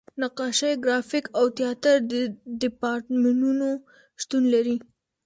نقاشۍ، ګرافیک او تیاتر دیپارتمنټونه شتون لري.